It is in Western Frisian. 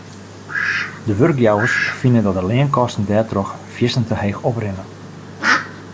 De wurkjouwers fine dat de leankosten dêrtroch fierstente heech oprinne.